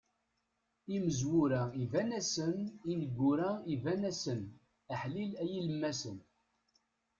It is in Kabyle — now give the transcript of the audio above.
Imezwura iban-asen, ineggura iban-asen, aḥlil a yilemmasen.